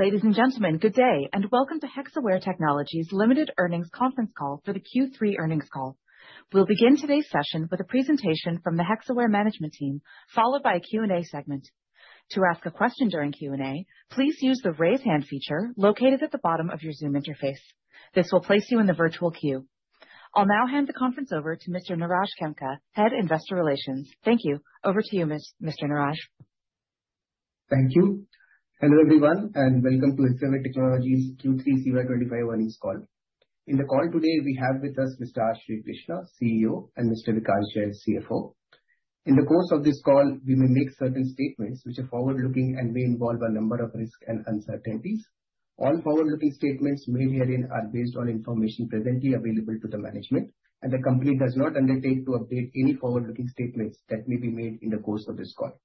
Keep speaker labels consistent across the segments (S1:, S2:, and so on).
S1: Ladies and gentlemen, good day, and welcome to Hexaware Technologies Limited's earnings conference call for the Q3 earnings call. We'll begin today's session with a presentation from the Hexaware management team, followed by a Q&A segment. To ask a question during Q&A, please use the raise hand feature located at the bottom of your Zoom interface. This will place you in the virtual queue. I'll now hand the conference over to Mr. Neeraj Khemka, Head Investor Relations. Thank you. Over to you, Mr. Neeraj.
S2: Thank you. Hello everyone, and welcome to Hexaware Technologies' Q3 CY25 earnings call. In the call today, we have with us Mr. R. Srikrishna, CEO, and Mr. Vikash Jain, CFO. In the course of this call, we may make certain statements which are forward-looking and may involve a number of risks and uncertainties. All forward-looking statements made herein are based on information presently available to the management, and the company does not undertake to update any forward-looking statements that may be made in the course of this call.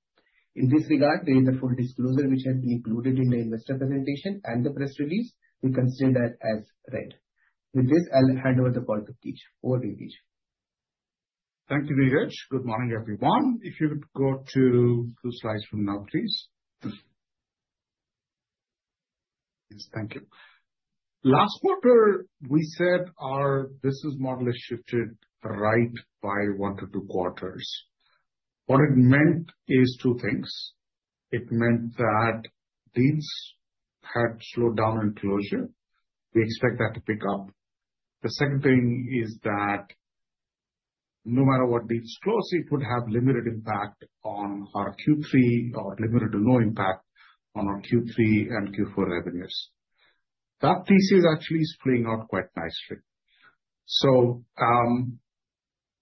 S2: In this regard, there is a full disclosure which has been included in the investor presentation and the press release. We consider that as read. With this, I'll hand over the call to Keech.
S3: Thank you very much. Good morning, everyone. If you could go to the slides from now, please. Yes, thank you. Last quarter, we said our business model has shifted right by one to two quarters. What it meant is two things. It meant that deals had slowed down in closure. We expect that to pick up. The second thing is that no matter what deals close, it would have limited impact on our Q3 or limited to no impact on our Q3 and Q4 revenues. That thesis actually is playing out quite nicely, so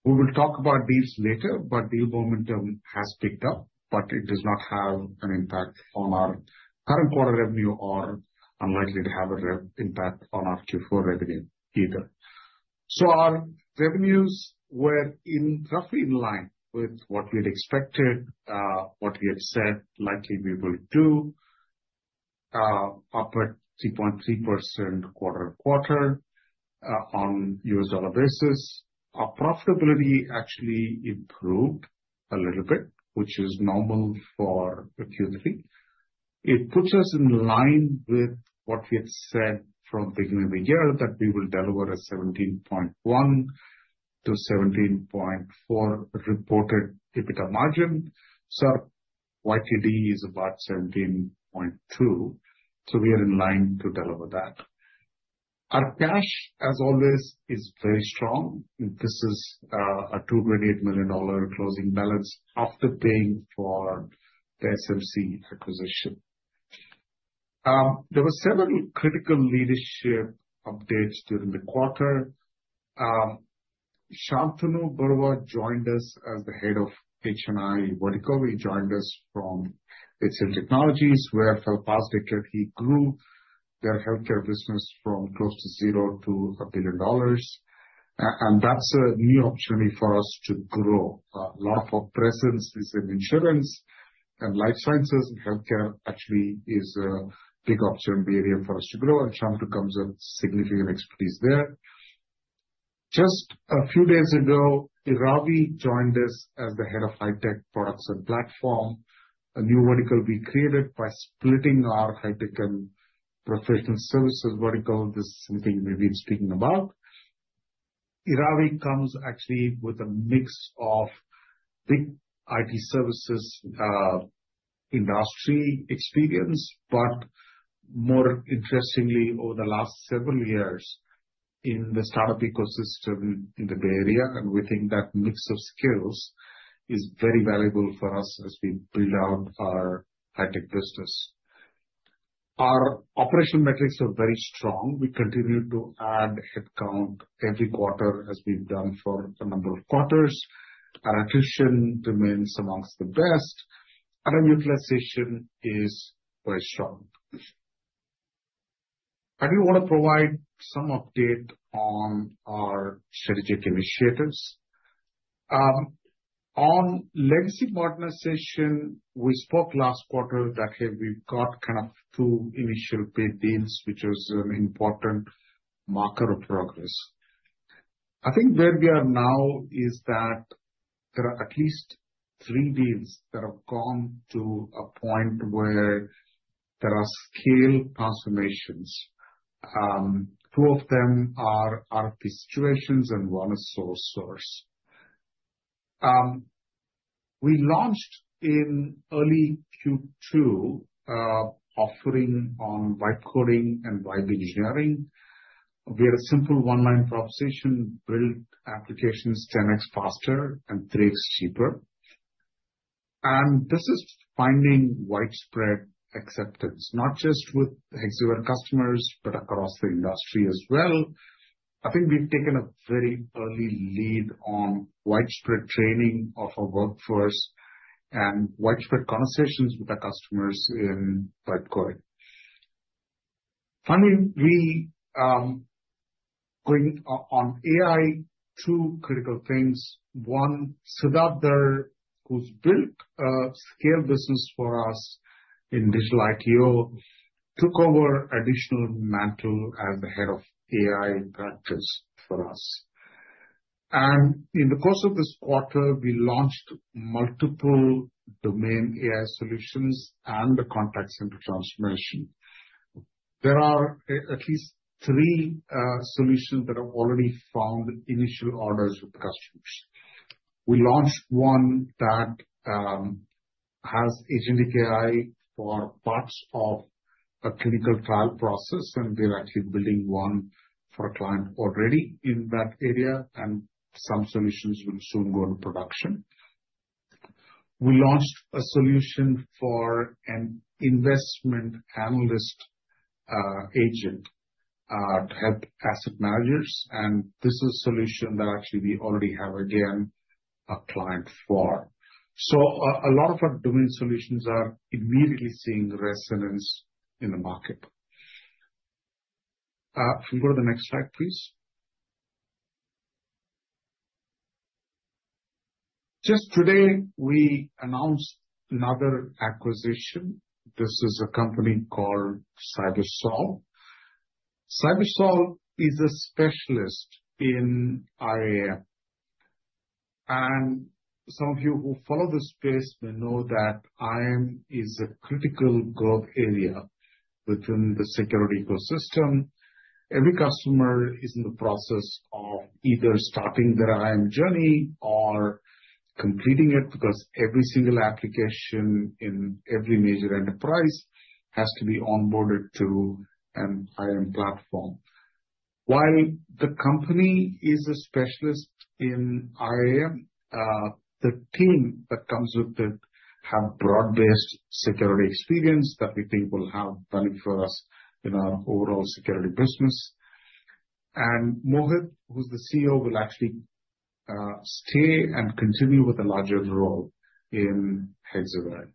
S3: we will talk about deals later, but deal momentum has picked up, but it does not have an impact on our current quarter revenue or unlikely to have an impact on our Q4 revenue either. Our revenues were roughly in line with what we had expected, what we had said likely we will do, up at 3.3% quarter-to-quarter on US dollar basis. Our profitability actually improved a little bit, which is normal for Q3. It puts us in line with what we had said from the beginning of the year that we will deliver a 17.1% to 17.4% reported EBITDA margin. So YTD is about 17.2%. So we are in line to deliver that. Our cash, as always, is very strong. This is a $228 million closing balance after paying for the SMC Squared acquisition. There were several critical leadership updates during the quarter. Shantanu Barua joined us as the head of H&I vertical. He joined us from HCLTech, where for the past decade he grew their healthcare business from close to zero to $1 billion. And that's a new opportunity for us to grow. A lot of our presence is in insurance and life sciences, and healthcare actually is a big opportunity area for us to grow. And Shantanu comes with significant expertise there. Just a few days ago, Ravi joined us as the head of high-tech products and platform, a new vertical we created by splitting our high-tech and professional services vertical. This is something we've been speaking about. Ravi comes actually with a mix of big IT services industry experience, but more interestingly, over the last several years in the startup ecosystem in the Bay Area. And we think that mix of skills is very valuable for us as we build out our high-tech business. Our operational metrics are very strong. We continue to add headcount every quarter as we've done for a number of quarters. Our attrition remains amongst the best. Our utilization is quite strong. I do want to provide some update on our strategic initiatives. On legacy modernization, we spoke last quarter that we've got kind of two initial paid deals, which was an important marker of progress. I think where we are now is that there are at least three deals that have gone to a point where there are scale transformations. Two of them are RFP situations and one is sole-source. We launched in early Q2 offering on Vibe coding and Vibe Engineering. We had a simple one-line proposition, built applications 10x faster and 3x cheaper, and this is finding widespread acceptance, not just with Hexaware customers, but across the industry as well. I think we've taken a very early lead on widespread training of our workforce and widespread conversations with our customers in Vibe coding. Finally, going on AI, two critical things. One, Siddharth Dhar, who's built a scale business for us in digital ITO, took over additional mantle as the head of AI practice for us. And in the course of this quarter, we launched multiple domain AI solutions and the contact center transformation. There are at least three solutions that have already found initial orders with customers. We launched one that has agentic AI for parts of a clinical trial process, and we're actually building one for a client already in that area, and some solutions will soon go into production. We launched a solution for an investment analyst agent to help asset managers, and this is a solution that actually we already have again a client for. So a lot of our domain solutions are immediately seeing resonance in the market. If you go to the next slide, please. Just today, we announced another acquisition. This is a company called CyberSolve. CyberSolve is a specialist in IAM. And some of you who follow this space may know that IAM is a critical growth area within the security ecosystem. Every customer is in the process of either starting their IAM journey or completing it because every single application in every major enterprise has to be onboarded through an IAM platform. While the company is a specialist in IAM, the team that comes with it has broad-based security experience that we think will have value for us in our overall security business. And Mohit, who's the CEO, will actually stay and continue with a larger role in Hexaware.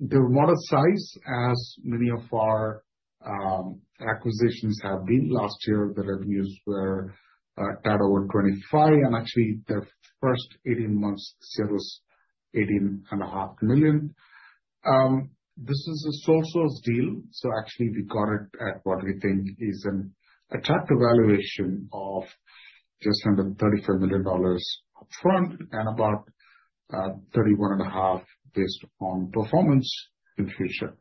S3: Their modest size, as many of our acquisitions have been, last year, the revenues were in the order of $25 million, and actually their first 18 months revenue was $18.5 million. This is a source-source deal, so actually we got it at what we think is an attractive valuation of just under $35 million upfront and about $31.5 million based on performance in the future.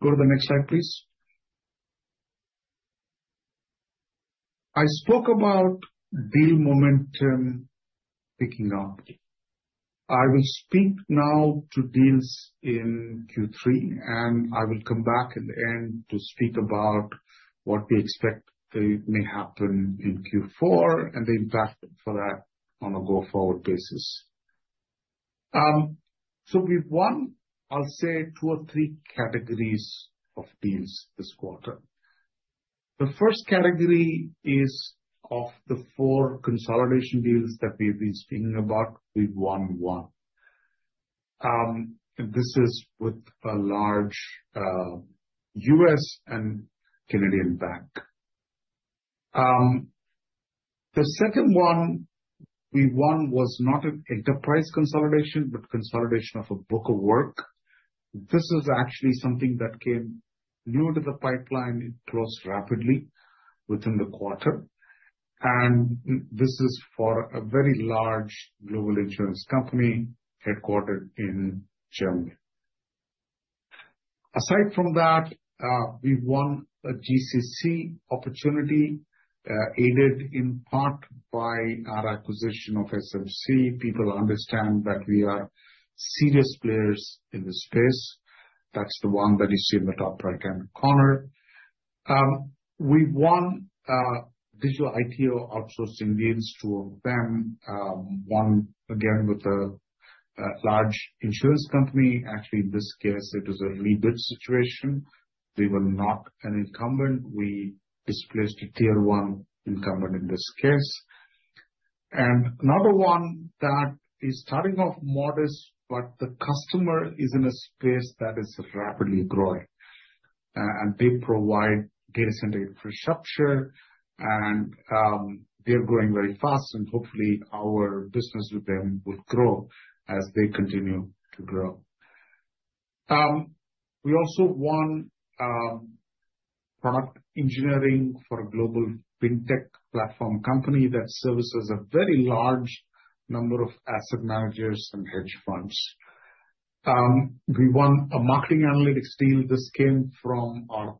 S3: Go to the next slide, please. I spoke about deal momentum picking up. I will speak now to deals in Q3, and I will come back in the end to speak about what we expect may happen in Q4 and the impact for that on a go-forward basis, so we've won, I'll say, two or three categories of deals this quarter. The first category is of the four consolidation deals that we've been speaking about. We've won one. This is with a large US and Canadian bank. The second one we won was not an enterprise consolidation, but consolidation of a book of work. This is actually something that came new into the pipeline and closed rapidly within the quarter. And this is for a very large global insurance company headquartered in Germany. Aside from that, we've won a GCC opportunity aided in part by our acquisition of SMC. People understand that we are serious players in this space. That's the one that you see in the top right-hand corner. We've won Digital ITO Outsourcing deals to them, one again with a large insurance company. Actually, in this case, it was a rebid situation. They were not an incumbent. We displaced a tier one incumbent in this case. And another one that is starting off modest, but the customer is in a space that is rapidly growing. And they provide data center infrastructure, and they're growing very fast, and hopefully our business with them will grow as they continue to grow. We also won product engineering for a global fintech platform company that services a very large number of asset managers and hedge funds. We won a marketing analytics deal. This came from our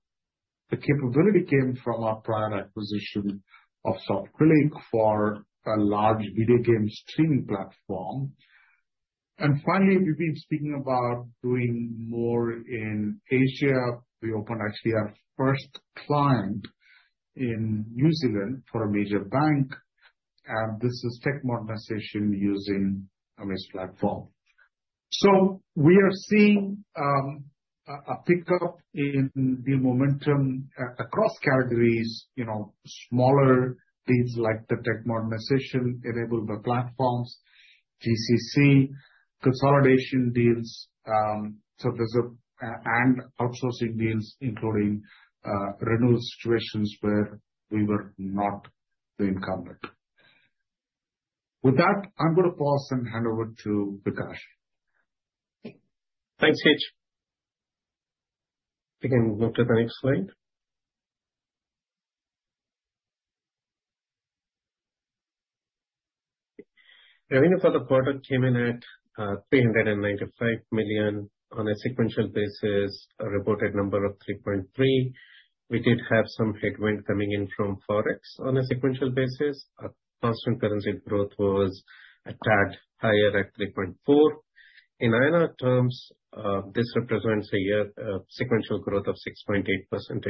S3: capability from our prior acquisition of Softcrylic for a large video game streaming platform. And finally, we've been speaking about doing more in Asia. We opened actually our first client in New Zealand for a major bank, and this is tech modernization using Amaze platform. So we are seeing a pickup in deal momentum across categories, smaller deals like the tech modernization enabled by platforms, GCC consolidation deals. So there's outsourcing deals, including renewal situations where we were not the incumbent. With that, I'm going to pause and hand over to Vikash.
S4: Thanks, Keech. We can go to the next slide. Revenue for the quarter came in at $395 million on a sequential basis, a reported number of 3.3%. We did have some headwind coming in from Forex on a sequential basis. Constant currency growth was a tad higher at 3.4%. In INR terms, this represents a year sequential growth of 6.8%.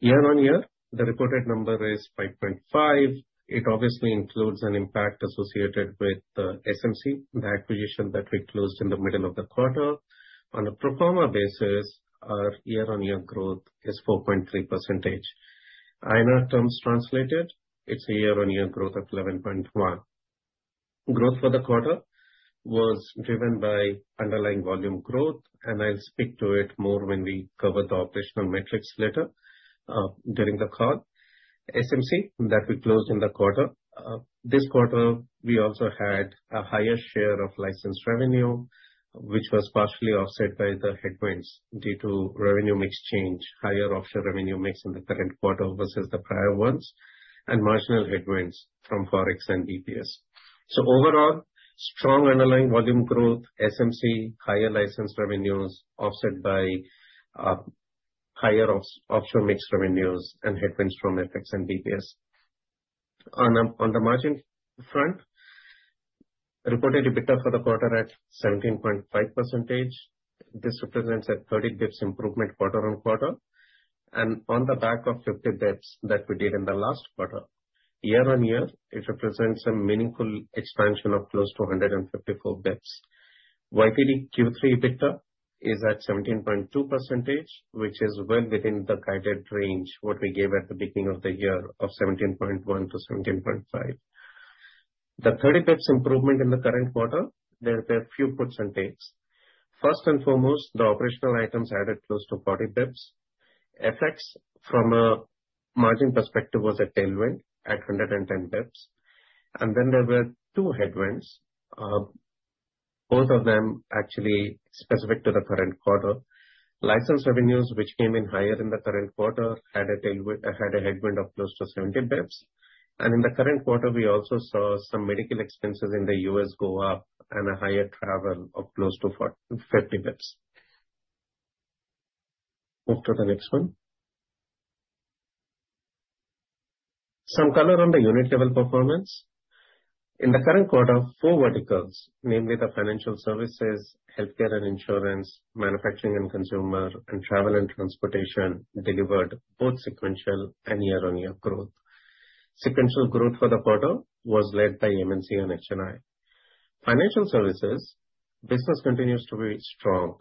S4: Year on year, the reported number is 5.5%. It obviously includes an impact associated with SMC, the acquisition that we closed in the middle of the quarter. On a pro forma basis, our year on year growth is 4.3%. In INR terms translated, it's a year on year growth of 11.1%. Growth for the quarter was driven by underlying volume growth, and I'll speak to it more when we cover the operational metrics later during the call. SMC that we closed in the quarter. This quarter, we also had a higher share of license revenue, which was partially offset by the headwinds due to revenue mix change, higher offshore revenue mix in the current quarter versus the prior ones, and marginal headwinds from Forex and BPS. Overall, strong underlying volume growth, SMC, higher license revenues offset by higher offshore mix revenues and headwinds from FX and BPS. On the margin front, reported EBITDA for the quarter at 17.5%. This represents a 30 basis points improvement quarter on quarter. On the back of 50 basis points that we did in the last quarter, year on year, it represents a meaningful expansion of close to 154 basis points. YTD Q3 EBITDA is at 17.2%, which is well within the guided range, what we gave at the beginning of the year of 17.1% to 17.5%. The 30 basis points improvement in the current quarter, there's a few percentages. First and foremost, the operational items added close to 40 basis points. FX, from a margin perspective, was a tailwind at 110 basis points. And then there were two headwinds. Both of them actually specific to the current quarter. License revenues, which came in higher in the current quarter, had a headwind of close to 70 basis points. And in the current quarter, we also saw some medical expenses in the US go up and a higher travel of close to 50 basis points. Move to the next one. Some color on the unit level performance. In the current quarter, four verticals, namely the financial services, healthcare and insurance, manufacturing and consumer, and travel and transportation, delivered both sequential and year on year growth. Sequential growth for the quarter was led by M&C and H&I. Financial services, business continues to be strong.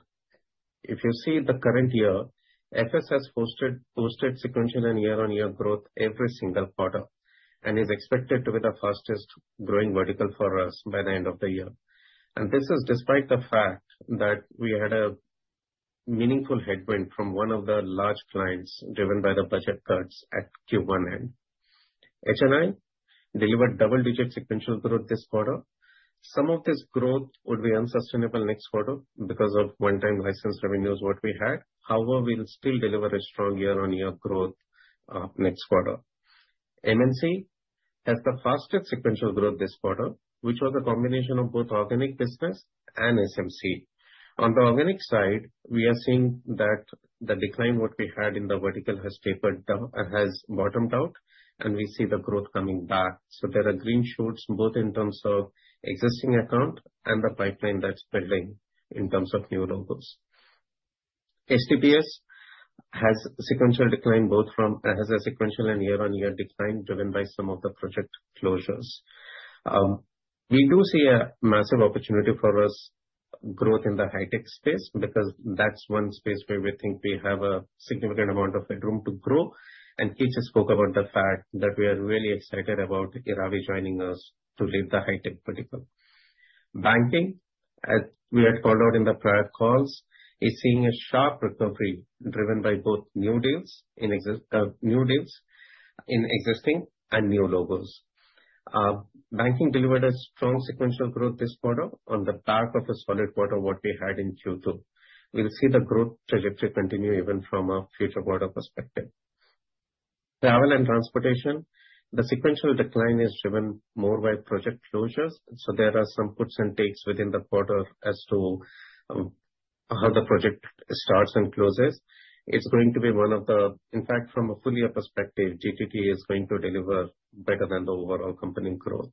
S4: If you see the current year, BFS posted sequential and year on year growth every single quarter and is expected to be the fastest growing vertical for us by the end of the year. And this is despite the fact that we had a meaningful headwind from one of the large clients driven by the budget cuts at Q1 end. H&I delivered double-digit sequential growth this quarter. Some of this growth would be unsustainable next quarter because of one-time license revenues what we had. However, we'll still deliver a strong year on year growth next quarter. M&C has the fastest sequential growth this quarter, which was a combination of both organic business and SMC. On the organic side, we are seeing that the decline what we had in the vertical has bottomed out, and we see the growth coming back. There are green shoots both in terms of existing account and the pipeline that's building in terms of new logos. HTPS has a sequential decline both a sequential and year on year decline driven by some of the project closures. We do see a massive opportunity for our growth in the high-tech space because that's one space where we think we have a significant amount of headroom to grow. Srikrishna just spoke about the fact that we are really excited about Eravi joining us to lead the high-tech vertical. Banking, as we had called out in the prior calls, is seeing a sharp recovery driven by both new deals in existing and new logos. Banking delivered a strong sequential growth this quarter on the back of a solid quarter that we had in Q2. We'll see the growth trajectory continue even from a future quarter perspective. Travel and transportation, the sequential decline is driven more by project closures. So there are some puts and takes within the quarter as to how the project starts and closes. It's going to be one of the, in fact, from a full year perspective, GTT is going to deliver better than the overall company growth.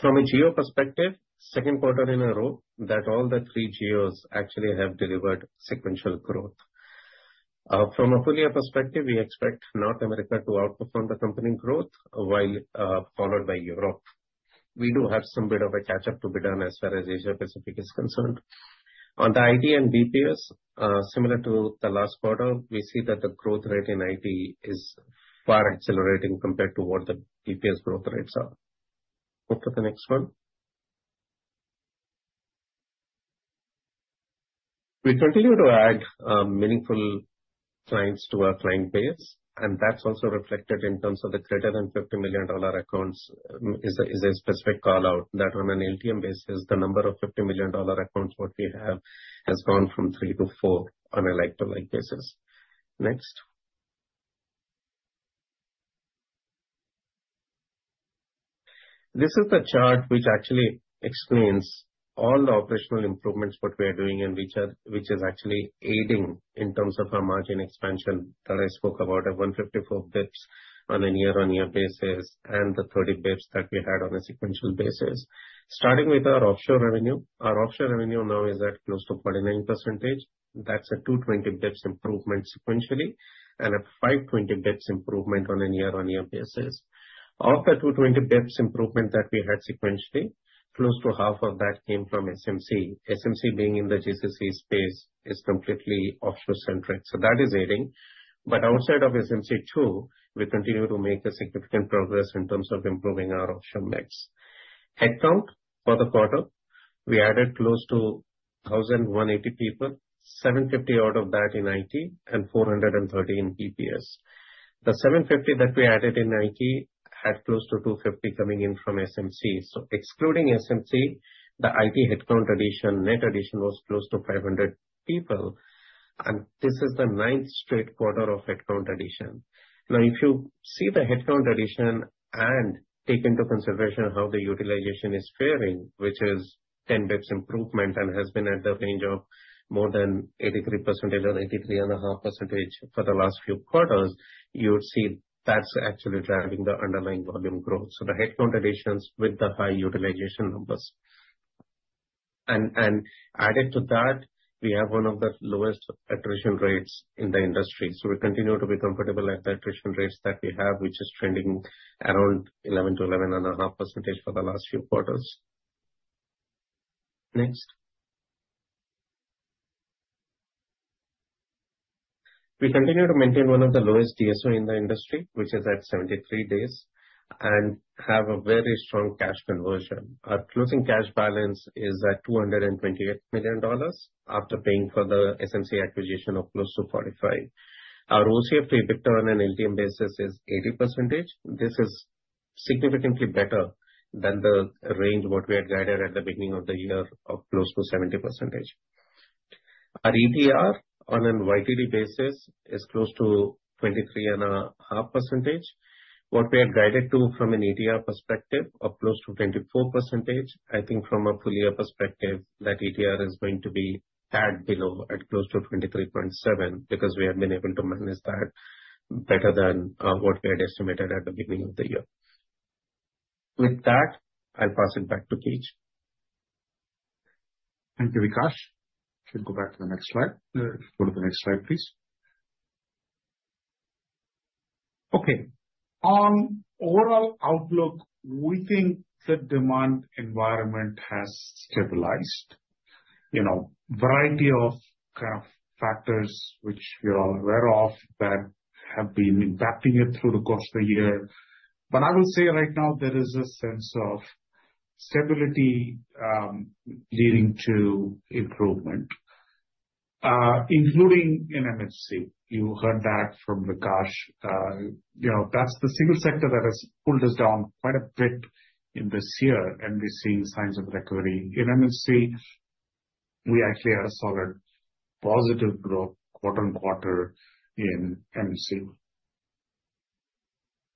S4: From a geo perspective, Q2 in a row that all three geos actually have delivered sequential growth. From a full year perspective, we expect North America to outperform the company growth, while followed by Europe. We do have some bit of a catch-up to be done as far as Asia Pacific is concerned. On the IT and BPS, similar to the last quarter, we see that the growth rate in IT is far accelerating compared to what the BPS growth rates are. Move to the next one. We continue to add meaningful clients to our client base, and that's also reflected in terms of the greater than $50 million accounts. It's a specific call out that on an LTM basis, the number of $50 million accounts what we have has gone from three to four on a like-to-like basis. Next. This is the chart which actually explains all the operational improvements what we are doing and which is actually aiding in terms of our margin expansion that I spoke about at 154 basis points on a year on year basis and the 30 basis points that we had on a sequential basis. Starting with our offshore revenue, our offshore revenue now is at close to 49%. That's a 220 basis points improvement sequentially and a 520 basis points improvement on a year on year basis. Of the 220 basis points improvement that we had sequentially, close to half of that came from SMC. SMC being in the GCC space is completely offshore-centric. So that is aiding. But outside of SMC too, we continue to make significant progress in terms of improving our offshore mix. Headcount for the quarter, we added close to 1,180 people, 750 out of that in IT and 430 in BPS. The 750 that we added in IT had close to 250 coming in from SMC. So excluding SMC, the IT headcount addition, net addition was close to 500 people, and this is the ninth straight quarter of headcount addition. Now, if you see the headcount addition and take into consideration how the utilization is faring, which is 10 basis points improvement and has been at the range of more than 83% or 83.5% for the last few quarters, you would see that's actually driving the underlying volume growth. So the headcount additions with the high utilization numbers. And added to that, we have one of the lowest attrition rates in the industry. So we continue to be comfortable at the attrition rates that we have, which is trending around 11% to 11.5% for the last few quarters. Next. We continue to maintain one of the lowest DSO in the industry, which is at 73 days and have a very strong cash conversion. Our closing cash balance is at $228 million after paying for the SMC acquisition of close to $45 million. Our OCF to EBITDA on an LTM basis is 80%. This is significantly better than the range what we had guided at the beginning of the year of close to 70%. Our ETR on an YTD basis is close to 23.5%. What we had guided to from an ETR perspective of close to 24%, I think from a full year perspective that ETR is going to be tad below at close to 23.7% because we have been able to manage that better than what we had estimated at the beginning of the year. With that, I'll pass it back to Keech.
S3: Thank you, Vikash. Should go back to the next slide. Go to the next slide, please. Okay. On overall outlook, we think the demand environment has stabilized. You know, variety of kind of factors which we're all aware of that have been impacting it through the course of the year. But I will say right now there is a sense of stability leading to improvement, including in M&C. You heard that from Vikash. You know, that's the single sector that has pulled us down quite a bit in this year, and we're seeing signs of recovery. In M&C, we actually had a solid positive growth quarter on quarter in M&C.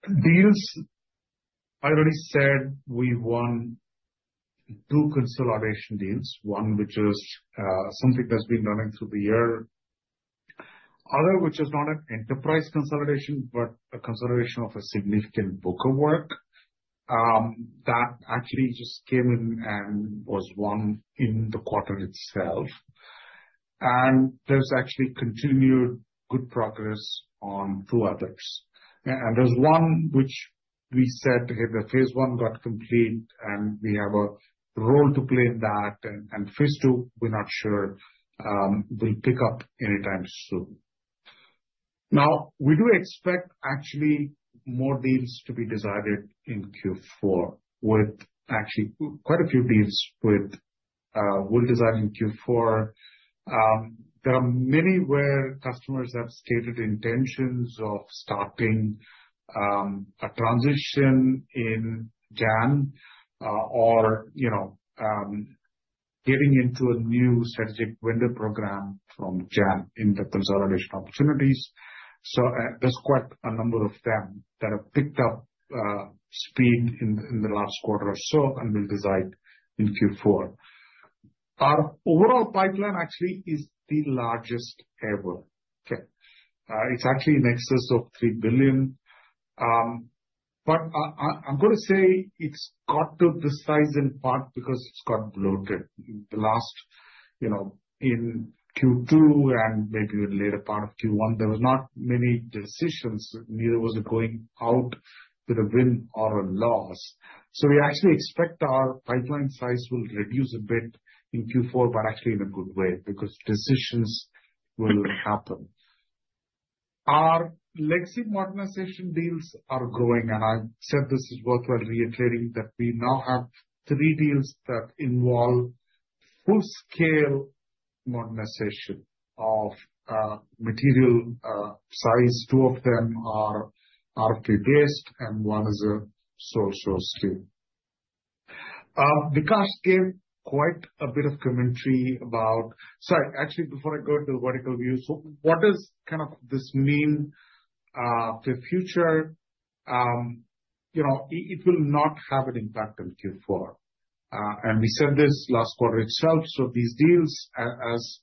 S3: Deals. I already said we won two consolidation deals, one which is something that's been running through the year, other which is not an enterprise consolidation, but a consolidation of a significant book of work that actually just came in and was won in the quarter itself. And there's actually continued good progress on two others. And there's one which we said, hey, the phase I got complete and we have a role to play in that. And phase II, we're not sure will pick up anytime soon. Now, we do expect actually more deals to be decided in Q4 with actually quite a few deals well advanced in Q4. There are many where customers have stated intentions of starting a transition in January or getting into a new strategic vendor program from January in the consolidation opportunities. There's quite a number of them that have picked up speed in the last quarter or so and will decide in Q4. Our overall pipeline actually is the largest ever. Okay. It's actually in excess of $3 billion. But I'm going to say it's got to the size in part because it's got bloated. In Q2 and maybe a later part of Q1, there were not many decisions. Neither was it going out with a win or a loss. So we actually expect our pipeline size will reduce a bit in Q4, but actually in a good way because decisions will happen. Our legacy modernization deals are growing. I've said this is worthwhile reiterating that we now have three deals that involve full-scale modernization of material size. Two of them are RFP-based and one is a sole-source deal. Vikash gave quite a bit of commentary about, sorry, actually before I go into the vertical view, so what does kind of this mean for future, you know, it will not have an impact on Q4. And we said this last quarter itself. So these deals, as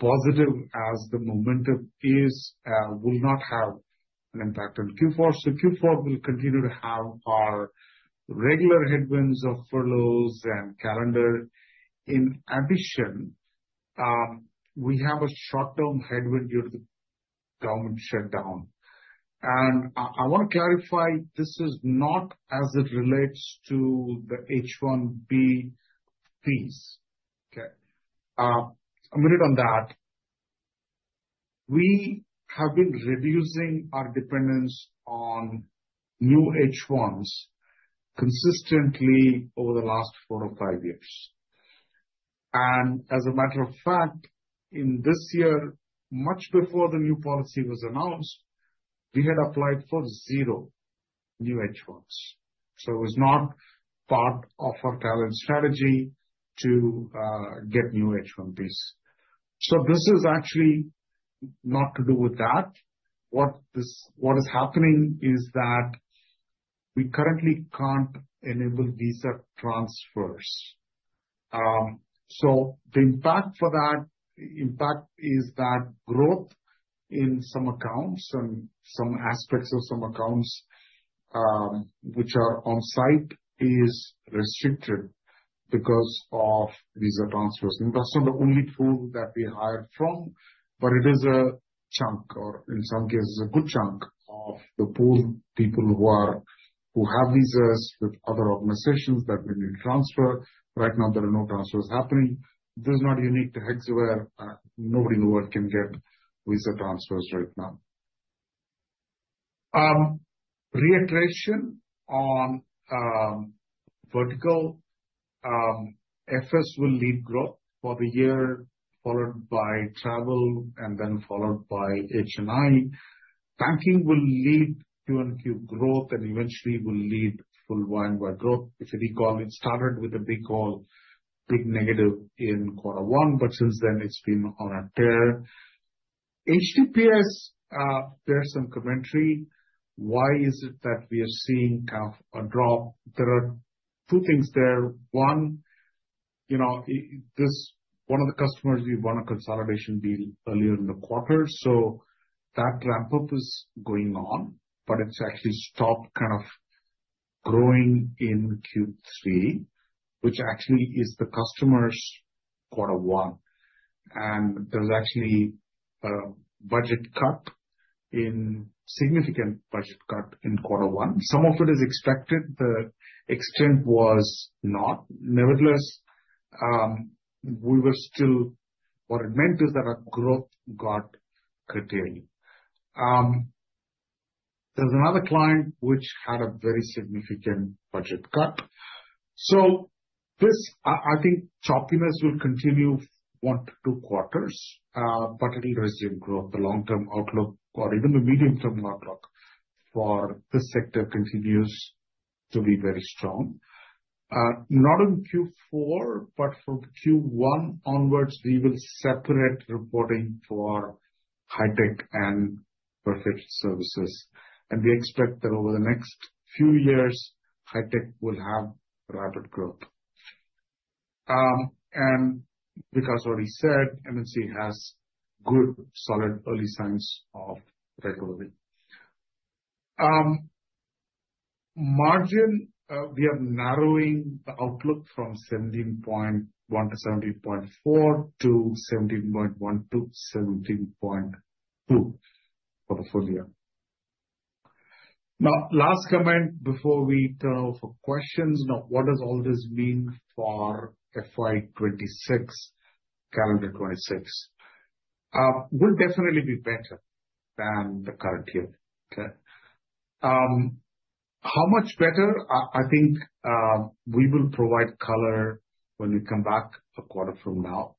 S3: positive as the momentum is, will not have an impact on Q4. So Q4 will continue to have our regular headwinds of furloughs and calendar. In addition, we have a short-term headwind due to the government shutdown. And I want to clarify this is not as it relates to the H-1B fees. Okay. A minute on that. We have been reducing our dependence on new H-1Bs consistently over the last four or five years. And as a matter of fact, in this year, much before the new policy was announced, we had applied for zero new H-1Bs. It was not part of our talent strategy to get new H-1Bs. This is actually not to do with that. What is happening is that we currently can't enable visa transfers. The impact for that impact is that growth in some accounts and some aspects of some accounts which are on site is restricted because of visa transfers. That's not the only pool that we hired from, but it is a chunk or in some cases a good chunk of the pool people who have visas with other organizations that we need to transfer. Right now, there are no transfers happening. This is not unique to Hexaware. Nobody in the world can get visa transfers right now. Reiteration on vertical FS will lead growth for the year followed by travel and then followed by H&I. Banking will lead Q1Q growth and eventually will lead full Y and Y growth. If you recall, it started with a big call, big negative in quarter one, but since then it's been on a tear. HTPS, there's some commentary. Why is it that we are seeing kind of a drop? There are two things there. One, you know, this one of the customers we won a consolidation deal earlier in the quarter. So that ramp-up is going on, but it's actually stopped kind of growing in Q3, which actually is the customer's quarter one, and there's actually a budget cut, a significant budget cut in quarter one. Some of it is expected. The extent was not. Nevertheless, we were still, what it meant is that our growth got curtailed. There's another client which had a very significant budget cut. So this, I think choppiness will continue one to two quarters, but it'll resume growth. The long-term outlook or even the medium-term outlook for this sector continues to be very strong. Not in Q4, but from Q1 onwards, we will separate reporting for high-tech and professional services. And we expect that over the next few years, high-tech will have rapid growth. And Vikash already said M&C has good solid early signs of recovery. Margin, we have narrowing the outlook from 17.1% to 17.4% to 17.1% to 17.2% for the full year. Now, last comment before we turn it over for questions. Now, what does all this mean for FY26, calendar 26? Will definitely be better than the current year. Okay. How much better? I think we will provide color when we come back a quarter from now.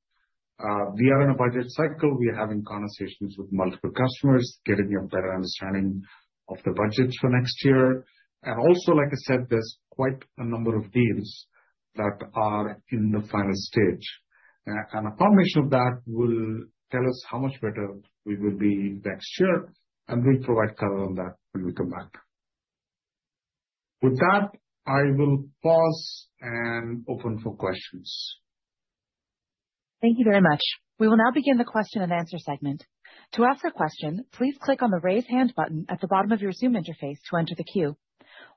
S3: We are in a budget cycle. We are having conversations with multiple customers, getting a better understanding of the budgets for next year, and also, like I said, there's quite a number of deals that are in the final stage, and a combination of that will tell us how much better we will be next year, and we'll provide color on that when we come back. With that, I will pause and open for questions.
S1: Thank you very much. We will now begin the question and answer segment. To ask a question, please click on the raise hand button at the bottom of your Zoom interface to enter the queue.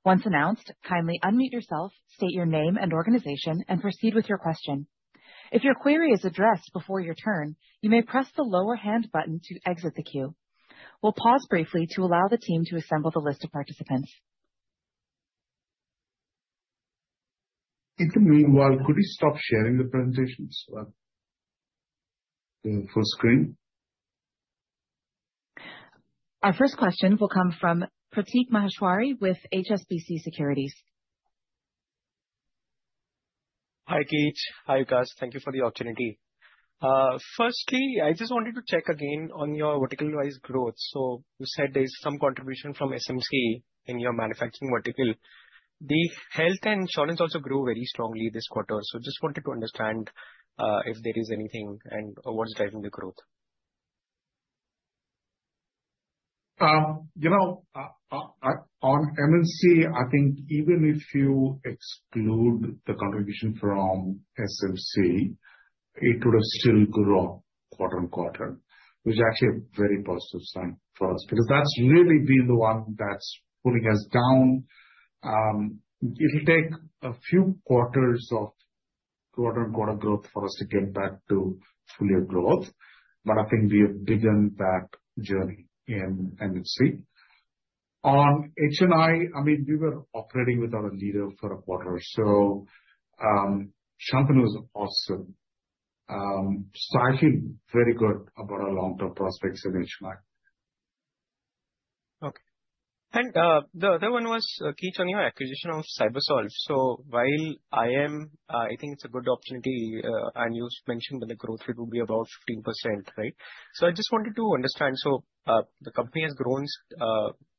S1: Once announced, kindly unmute yourself, state your name and organization, and proceed with your question. If your query is addressed before your turn, you may press the lower hand button to exit the queue. We'll pause briefly to allow the team to assemble the list of participants.
S3: It can be a while. Could you stop sharing the presentation screen?
S1: Our first question will come from Pratik Maheshwari with HSBC Securities.
S5: Hi Keech. Hi Vikash. Thank you for the opportunity. Firstly, I just wanted to check again on your vertical-wise growth. So you said there's some contribution from SMC in your manufacturing vertical. The health and insurance also grew very strongly this quarter. So just wanted to understand if there is anything and what's driving the growth.
S3: You know, on M&C, I think even if you exclude the contribution from SMC, it would have still grown quarter on quarter, which is actually a very positive sign for us because that's really been the one that's pulling us down. It'll take a few quarters of quarter on quarter growth for us to get back to full year growth. But I think we have begun that journey in M&C. On H&I, I mean, we were operating without a leader for a quarter. So Shantanu is awesome. So I feel very good about our long-term prospects in H&I.
S5: Okay. And the other one was Keech on your acquisition of CyberSolve. So while I am, I think it's a good opportunity and you mentioned that the growth rate will be about 15%, right? So I just wanted to understand. So the company has grown,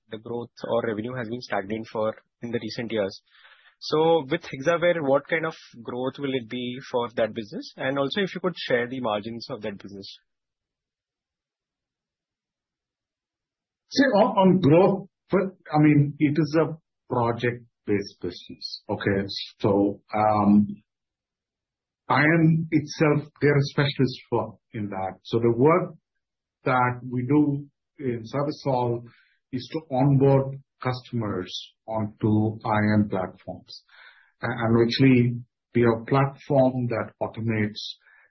S5: the growth or revenue has been stagnant for in the recent years. So with Hexaware, what kind of growth will it be for that business? And also if you could share the margins of that business.
S3: See, on growth, I mean, it is a project-based business, okay? So in itself, they're a specialist firm in that. So the work that we do in CyberSolve is to onboard customers onto IAM platforms. And actually, we have a platform that automates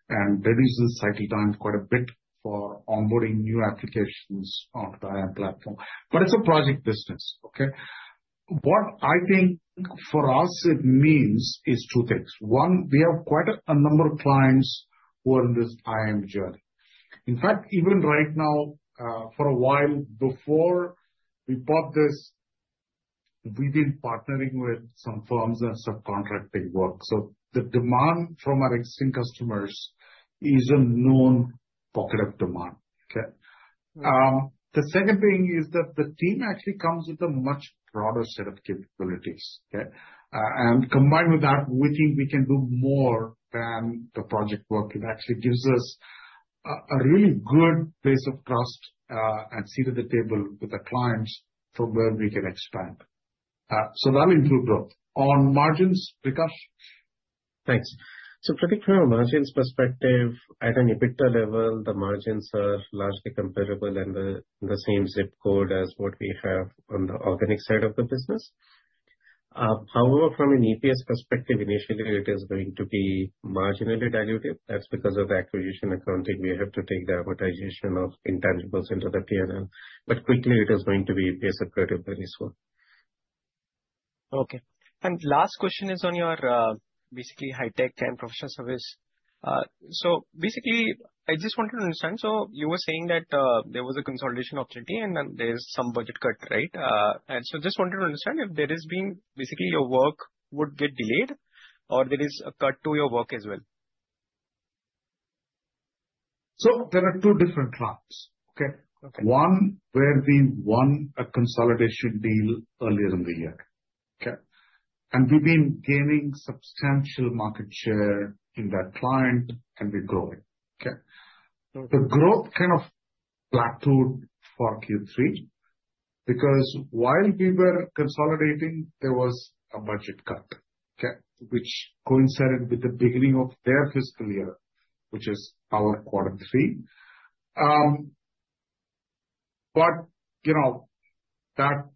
S3: and reduces cycle time quite a bit for onboarding new applications onto the IAM platform. But it's a project business, okay? What I think for us it means is two things. One, we have quite a number of clients who are in this IAM journey. In fact, even right now, for a while before we bought this, we've been partnering with some firms and subcontracting work. So the demand from our existing customers is a known pocket of demand, okay? The second thing is that the team actually comes with a much broader set of capabilities, okay? Combined with that, we think we can do more than the project work. It actually gives us a really good base of trust and seat at the table with the clients from where we can expand. That'll improve growth. On margins, Vikash?
S4: Thanks. So from the margins perspective, at an EBITDA level, the margins are largely comparable and the same zip code as what we have on the organic side of the business. However, from an EPS perspective, initially it is going to be marginally diluted. That's because of the acquisition accounting. We have to take the amortization of intangibles into the P&L. But quickly, it is going to be EPS accretive this fall.
S5: Okay. And last question is on your basically high-tech and professional service. So basically, I just wanted to understand. So you were saying that there was a consolidation opportunity and then there's some budget cut, right? And so just wanted to understand if there has been basically your work would get delayed or there is a cut to your work as well.
S3: There are two different traps, okay? One where we won a consolidation deal earlier in the year, okay? And we've been gaining substantial market share in that client and we're growing, okay? The growth kind of plateaued for Q3 because while we were consolidating, there was a budget cut, okay? Which coincided with the beginning of their fiscal year, which is our quarter three. But you know that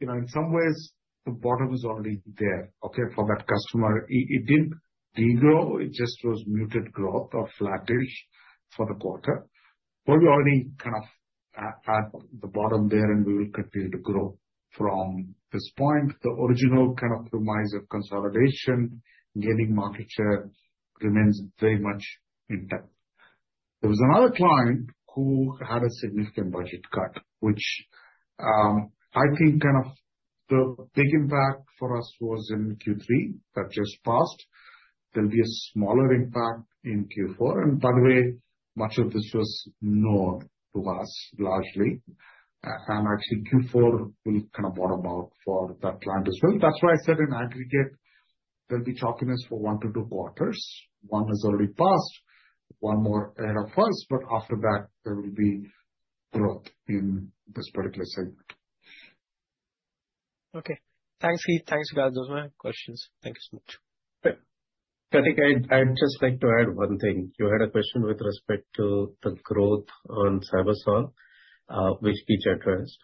S3: in some ways, the bottom is already there, okay, for that customer. It didn't degrow, it just was muted growth or flattish for the quarter. We already kind of at the bottom there and we will continue to grow from this point. The original kind of premise of consolidation, gaining market share remains very much intact. There was another client who had a significant budget cut, which I think kind of the big impact for us was in Q3 that just passed. There'll be a smaller impact in Q4. And by the way, much of this was known to us largely. And actually, Q4 will kind of bottom out for that client as well. That's why I said in aggregate, there'll be choppiness for one to two quarters. One has already passed, one more ahead of us, but after that, there will be growth in this particular segment.
S5: Okay. Thanks, Keech. Thanks, Vikash. Those were my questions. Thank you so much.
S4: I think I'd just like to add one thing. You had a question with respect to the growth on CyberSolve, which Srikrishna addressed.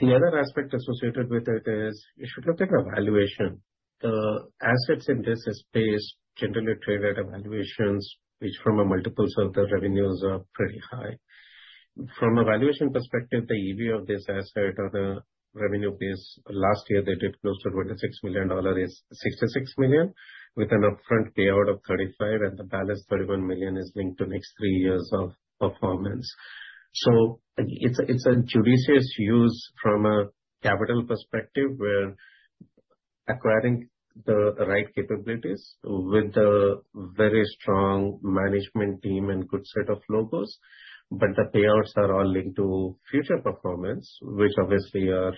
S4: The other aspect associated with it is it should look like a valuation. The assets in this space generally trade at valuations, which from a multiple of the revenues are pretty high. From a valuation perspective, the EV of this asset on a revenue-based last year, they did close to $26 million, is $66 million with an upfront payout of $35 million, and the balance $31 million is linked to next three years of performance. So it's a judicious use from a capital perspective where acquiring the right capabilities with the very strong management team and good set of logos, but the payouts are all linked to future performance, which obviously are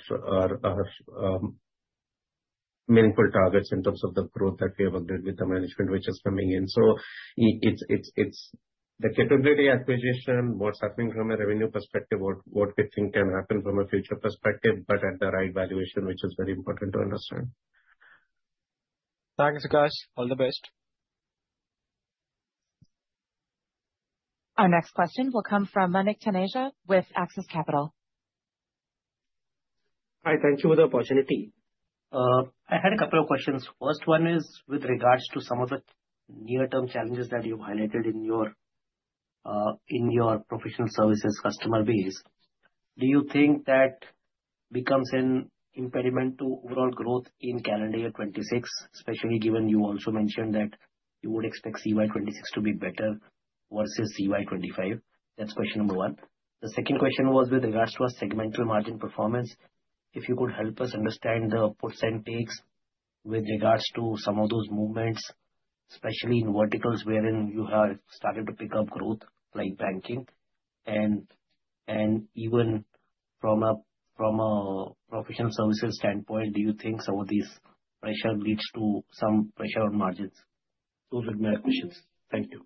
S4: meaningful targets in terms of the growth that we have agreed with the management, which is coming in. So it's the capability acquisition, what's happening from a revenue perspective, what we think can happen from a future perspective, but at the right valuation, which is very important to understand.
S5: Thanks, Vikash. All the best.
S1: Our next question will come from Manik Taneja with Axis Capital.
S6: Hi, thank you for the opportunity. I had a couple of questions. First one is with regards to some of the near-term challenges that you've highlighted in your professional services customer base. Do you think that becomes an impediment to overall growth in calendar year 2026, especially given you also mentioned that you would expect CY 2026 to be better versus CY 2025? That's question number one. The second question was with regards to our segmental margin performance. If you could help us understand the percentages with regards to some of those movements, especially in verticals wherein you have started to pick up growth like banking. And even from a professional services standpoint, do you think some of these pressure leads to some pressure on margins? Those would be my questions. Thank you.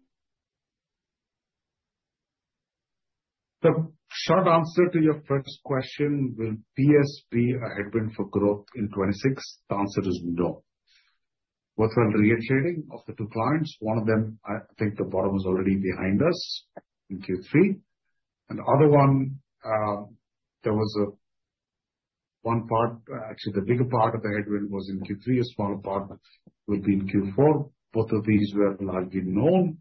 S3: The short answer to your first question, will BS be a headwind for growth in 2026? The answer is no. What about re-educating of the two clients? One of them, I think the bottom is already behind us in Q3. And the other one, there was one part, actually the bigger part of the headwind was in Q3, a smaller part will be in Q4. Both of these were largely known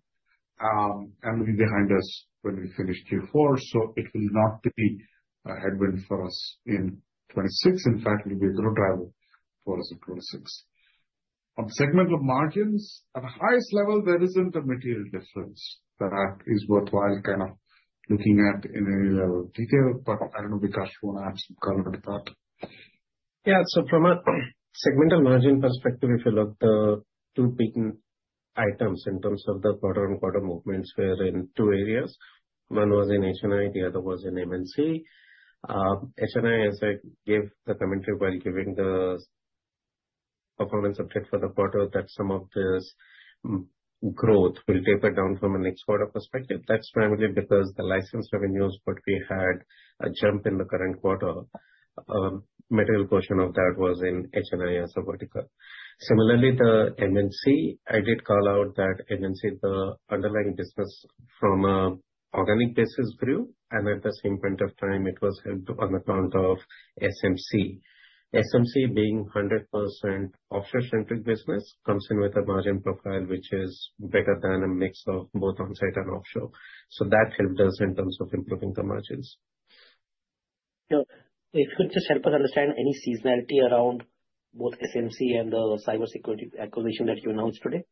S3: and will be behind us when we finish Q4. So it will not be a headwind for us in 2026. In fact, it will be a growth driver for us in 2026. On segmental margins, at the highest level, there isn't a material difference that is worthwhile kind of looking at in any level of detail, but I don't know, Vikash, do you want to add some color to that?
S4: Yeah. So from a segmental margin perspective, if you look at the two big items in terms of the quarter-on-quarter movements were in two areas. One was in H&I, the other was in M&C. H&I, as I gave the commentary while giving the performance update for the quarter, that some of this growth will taper down from a next quarter perspective. That's primarily because the license revenues, what we had a jump in the current quarter, a material portion of that was in H&I as a vertical. Similarly, the M&C, I did call out that M&C, the underlying business from an organic basis grew. And at the same point of time, it was helped on the count of SMC. SMC being 100% offshore-centric business comes in with a margin profile which is better than a mix of both onsite and offshore. So that helped us in terms of improving the margins.
S6: Yeah. If you could just help us understand any seasonality around both SMC and the cybersecurity acquisition that you announced today?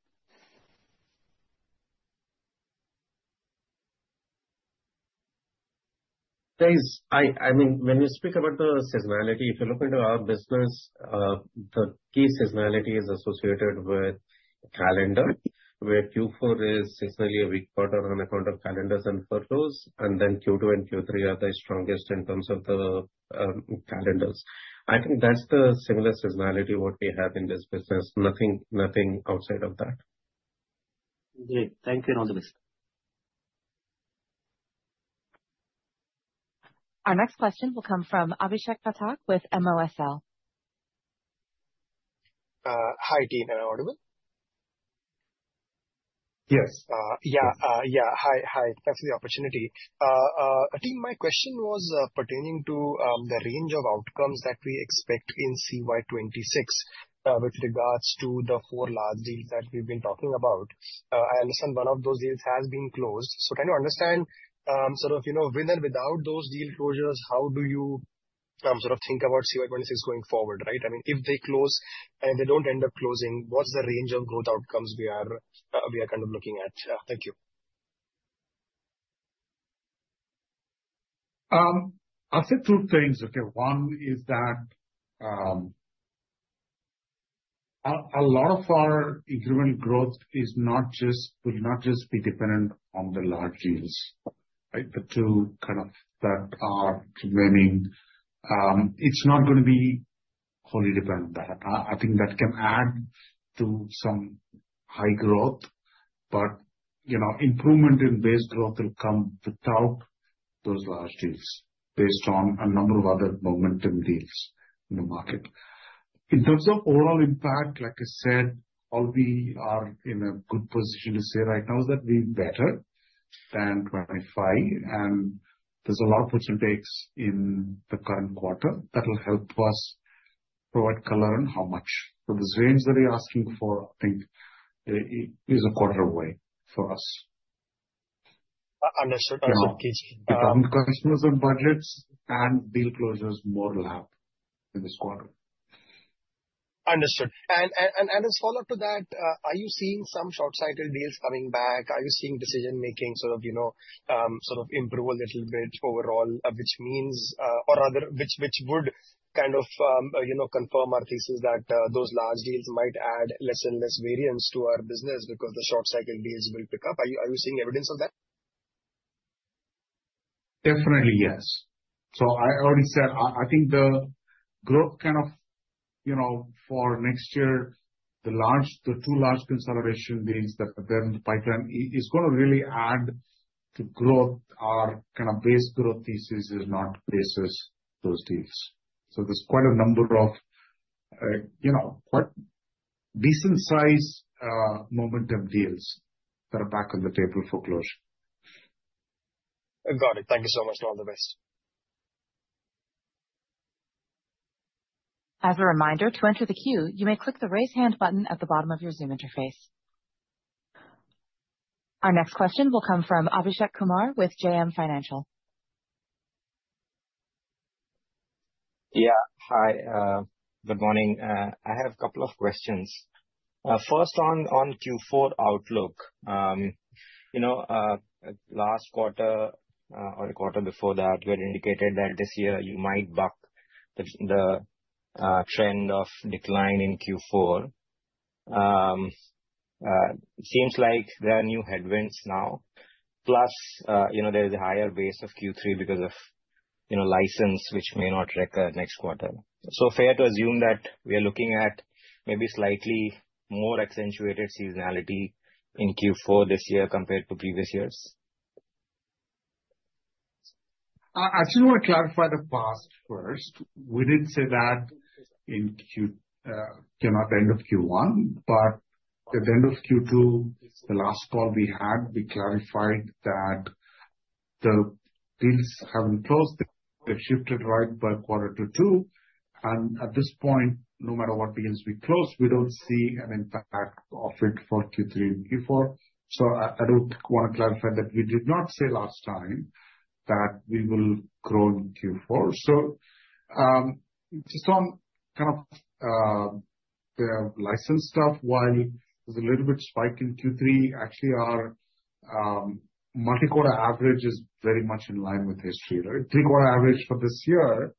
S4: Guys, I mean, when you speak about the seasonality, if you look into our business, the key seasonality is associated with calendar, where Q4 is seasonally a weak quarter on account of calendars and furloughs, and then Q2 and Q3 are the strongest in terms of the calendars. I think that's the similar seasonality what we have in this business. Nothing outside of that.
S6: Great. Thank you and all the best.
S1: Our next question will come from Abhishek Pathak with MOSL.
S7: Hi, Dean. Am I audible? Hi. Thanks for the opportunity. Dean, my question was pertaining to the range of outcomes that we expect in CY26 with regards to the four large deals that we've been talking about. I understand one of those deals has been closed. So trying to understand sort of with and without those deal closures, how do you sort of think about CY26 going forward, right? I mean, if they close and they don't end up closing, what's the range of growth outcomes we are kind of looking at? Thank you.
S3: I'll say two things, okay? One is that a lot of our incremental growth will not just be dependent on the large deals, right? The two kind of that are remaining. It's not going to be wholly dependent on that. I think that can add to some high growth, but improvement in base growth will come without those large deals based on a number of other momentum deals in the market. In terms of overall impact, like I said, all we are in a good position to say right now is that we're better than 2025. And there's a lot of percentages in the current quarter that will help us provide color on how much. So this range that we're asking for, I think, is a quarter away for us.
S7: Understood. Understood, Keech.
S3: Customers on budgets and deal closures more large in this quarter.
S7: Understood. And as a follow-up to that, are you seeing some short-sighted deals coming back? Are you seeing decision-making sort of improve a little bit overall, which means or which would kind of confirm our thesis that those large deals might add less and less variance to our business because the short-cycle deals will pick up? Are you seeing evidence of that?
S3: Definitely, yes. So I already said, I think the growth kind of for next year, the two large consolidation deals that are there in the pipeline is going to really add to growth. Our kind of base growth thesis is not based on those deals. So there's quite a number of quite decent-sized momentum deals that are back on the table for closure.
S7: Got it. Thank you so much. All the best.
S1: As a reminder, to enter the queue, you may click the raise hand button at the bottom of your Zoom interface. Our next question will come from Abhishek Kumar with JM Financial.
S8: Yeah. Hi. Good morning. I have a couple of questions. First, on Q4 outlook, last quarter or the quarter before that, we had indicated that this year you might buck the trend of decline in Q4. It seems like there are new headwinds now. Plus, there is a higher base of Q3 because of license, which may not repeat next quarter. So fair to assume that we are looking at maybe slightly more accentuated seasonality in Q4 this year compared to previous years?
S3: Actually, I want to clarify the past first. We did say that in Q, you know, at the end of Q1, but at the end of Q2, the last call we had, we clarified that the deals haven't closed. They've shifted right by quarter to two. And at this point, no matter what deals we close, we don't see an impact of it for Q3 and Q4. So I do want to clarify that we did not say last time that we will grow in Q4. So just on kind of the license stuff, while there's a little bit spike in Q3, actually our multi-quarter average is very much in line with history. Three-quarter average for this year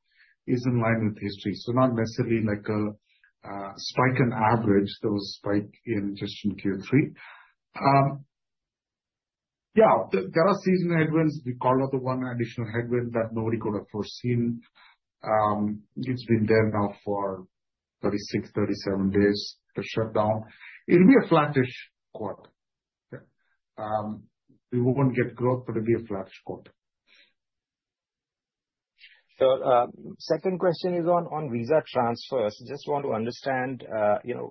S3: is in line with history. So not necessarily like a spike in average. There was a spike in just in Q3. Yeah. There are seasonal headwinds. We called out the one additional headwind that nobody could have foreseen. It's been there now for 36, 37 days to shut down. It'll be a flattish quarter. We won't get growth, but it'll be a flattish quarter.
S8: So second question is on visa transfers. Just want to understand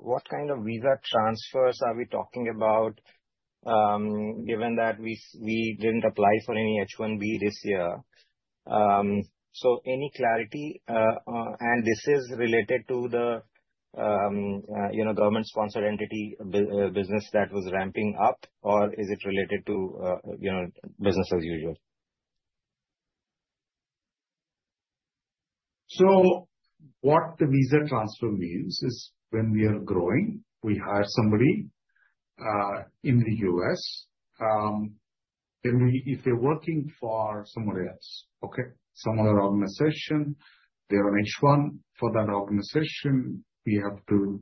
S8: what kind of visa transfers are we talking about given that we didn't apply for any H-1B this year? So any clarity? And this is related to the government-sponsored entity business that was ramping up, or is it related to business as usual?
S3: So what the visa transfer means is when we are growing, we hire somebody in the US, and if they're working for somewhere else, okay, some other organization, they're on H-1B for that organization, we have to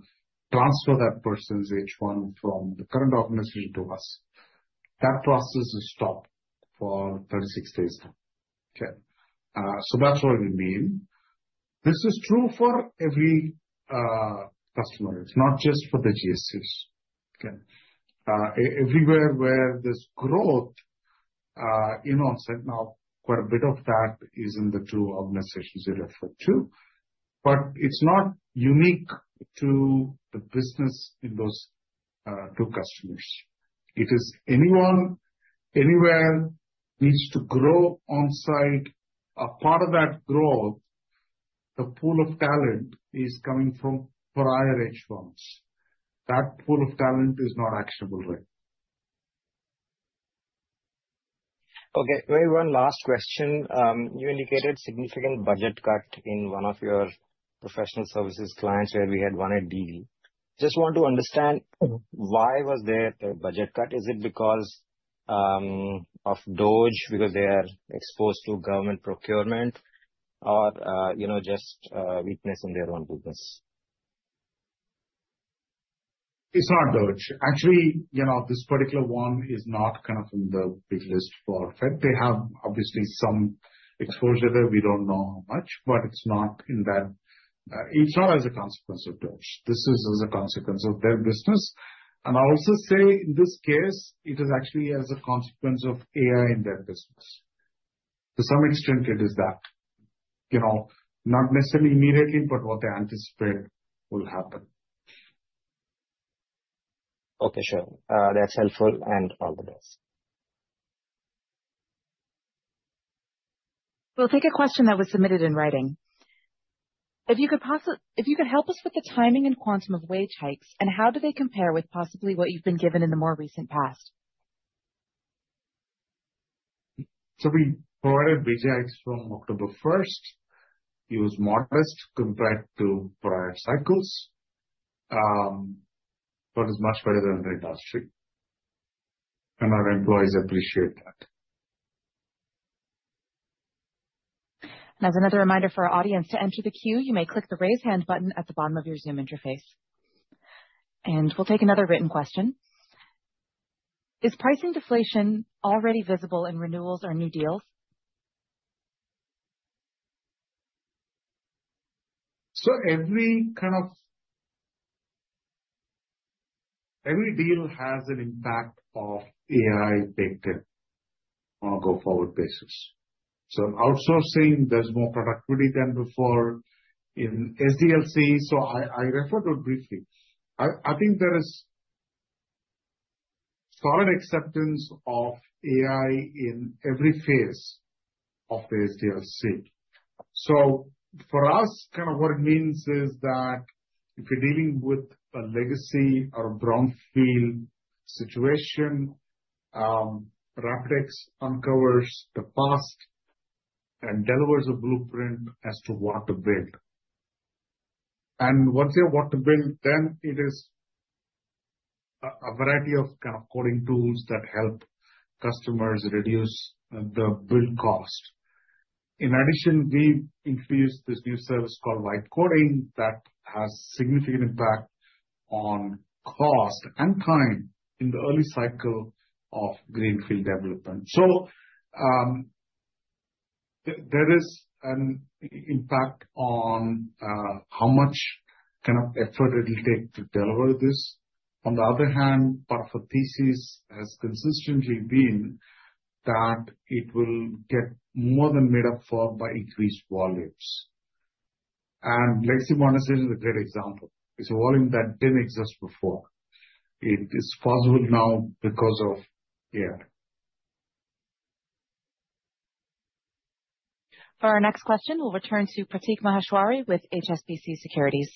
S3: transfer that person's H-1B from the current organization to us. That process is stopped for 36 days now. Okay. So that's what we mean. This is true for every customer. It's not just for the GCCs. Okay. Everywhere where there's growth, in onsite, now, quite a bit of that is in the two organizations you referred to. But it's not unique to the business in those two customers. It is anyone anywhere needs to grow onsite. A part of that growth, the pool of talent is coming from prior H-1Bs. That pool of talent is not actionable right now.
S8: Okay. One very last question. You indicated significant budget cut in one of your professional services clients where we had won a deal. Just want to understand why was there a budget cut? Is it because of DOGE, because they are exposed to government procurement, or just weakness in their own business?
S3: It's not DOGE. Actually, this particular one is not kind of in the big list for Fed. They have obviously some exposure there. We don't know how much, but it's not in that as a consequence of DOGE. This is as a consequence of their business. And I'll also say in this case, it is actually as a consequence of AI in their business. To some extent, it is that. Not necessarily immediately, but what they anticipate will happen.
S8: Okay. Sure. That's helpful and all the best.
S1: We'll take a question that was submitted in writing. If you could help us with the timing and quantum of wage hikes, and how do they compare with possibly what you've been given in the more recent past?
S3: We provided wage hikes from October 1st. It was modest compared to prior cycles, but it's much better than the industry, and our employees appreciate that.
S1: As another reminder for our audience to enter the queue, you may click the raise hand button at the bottom of your Zoom interface. We'll take another written question. Is pricing deflation already visible in renewals or new deals?
S3: So every kind of deal has an impact of AI-based on a go-forward basis. So outsourcing, there's more productivity than before in SDLC. So I referred to it briefly. I think there is solid acceptance of AI in every phase of the SDLC. So for us, kind of what it means is that if you're dealing with a legacy or a brownfield situation, RapidX uncovers the past and delivers a blueprint as to what to build. And once you have what to build, then it is a variety of kind of coding tools that help customers reduce the build cost. In addition, we've introduced this new service called Vibe Coding that has significant impact on cost and time in the early cycle of greenfield development. So there is an impact on how much kind of effort it will take to deliver this. On the other hand, part of the thesis has consistently been that it will get more than made up for by increased volumes, and legacy modernization is a great example. It's a volume that didn't exist before. It is possible now because of AI.
S1: For our next question, we'll return to Pratik Maheshwari with HSBC Securities.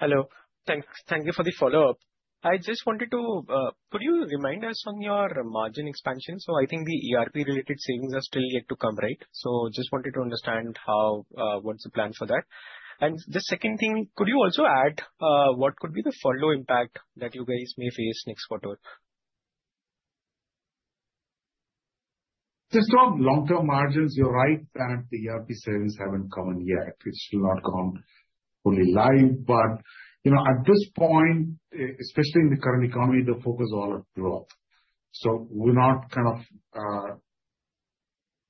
S5: Hello. Thank you for the follow-up. I just wanted to, could you remind us on your margin expansion? So I think the ERP-related savings are still yet to come, right? So just wanted to understand what's the plan for that? And the second thing, could you also add what could be the furlough impact that you guys may face next quarter?
S3: Just on long-term margins, you're right that the ERP savings haven't come in yet. It's not gone fully live, but at this point, especially in the current economy, the focus is all on growth, so we're not kind of,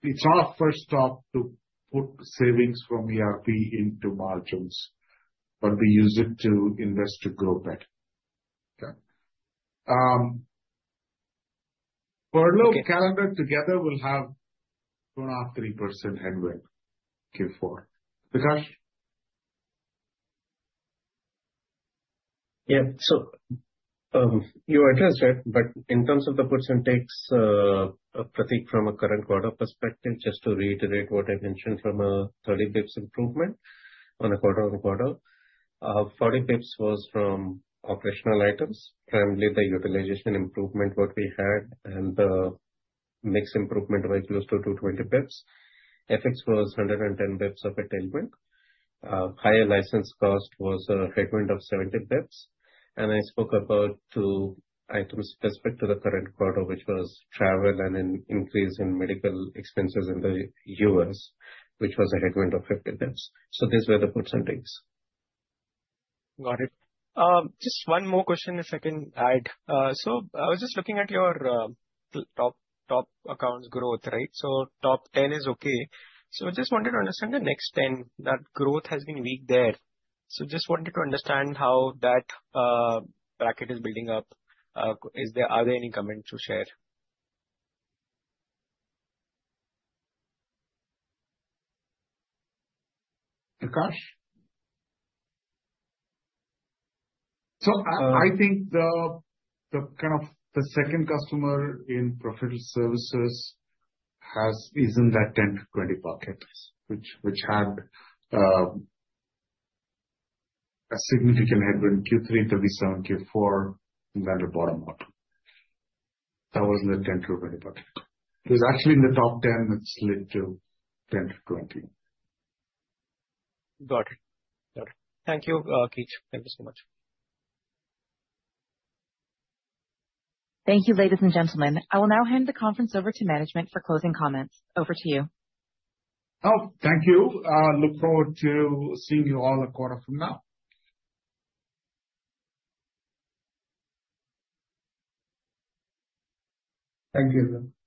S3: it's not our first stop to put savings from ERP into margins, but we use it to invest to grow better. Okay. Furlough calendar together will have 2.5%-3% headwind Q4. Vikash?
S4: Yeah. So you were addressed, right? But in terms of the percentages, Pratik, from a current quarter perspective, just to reiterate what I mentioned from a 30 basis points improvement on a quarter-on-quarter, 40 basis points was from operational items, primarily the utilization improvement what we had, and the mix improvement by close to 220 basis points. FX was 110 basis points of a tailwind. Higher license cost was a headwind of 70 basis points. And I spoke about two items respect to the current quarter, which was travel and an increase in medical expenses in the US, which was a headwind of 50 basis points. So these were the percentages.
S5: Got it. Just one more question if I can add. So I was just looking at your top 10 accounts growth, right? So just wanted to understand the next 10. That growth has been weak there. So just wanted to understand how that bracket is building up. Are there any comments to share?
S3: Vikash? So I think the kind of the second customer in professional services is in that 10 to 20 bucket, which had a significant headwind Q3 to Q4 and then the bottom. That was in the 10 to 20 bucket. It was actually in the top 10 that slid to 10 to 20.
S5: Got it. Got it. Thank you, Keech. Thank you so much.
S1: Thank you, ladies and gentlemen. I will now hand the conference over to management for closing comments. Over to you.
S3: Oh, thank you. Look forward to seeing you all a quarter from now. Thank you, sir.